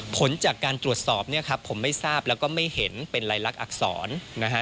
ผลจากการตรวจสอบเนี่ยครับผมไม่ทราบแล้วก็ไม่เห็นเป็นลายลักษณอักษรนะฮะ